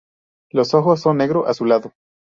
Los ojos son negro azulado.